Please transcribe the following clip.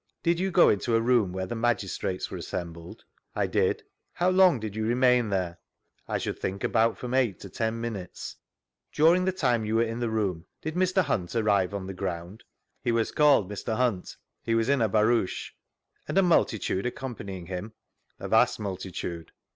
Did you go into a room th^te where the magis trates were assembled? — I did. How long did you remain there ?— I should think about from eight to ten minutes. vGoogIc 26 THREE ACCOUNTS OF PETERLOO During the time you were in the room, did Mr. Hunt arrive on the ground?— He was called Mr. Hunt; he was in a barouch«. And a multitude accompanying him?— A vast multitude.